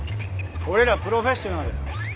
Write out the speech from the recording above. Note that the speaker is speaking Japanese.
俺らプロフェッショナル。